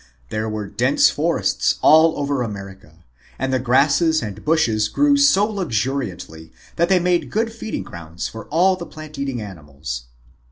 There were dense forests all over America, and the grasses and bushes MAMMOTHS AND MASTODONS 123 grew so luxuriantly that they made good feeding grounds for all of the plant eating animals.